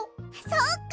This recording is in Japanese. そっか！